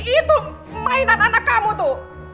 itu mainan anak kamu tuh